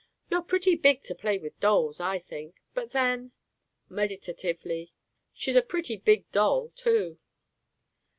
"You're pretty big to play with dolls, I think. But then" meditatively "she's a pretty big doll too."